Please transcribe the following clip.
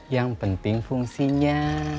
yang penting fungsinya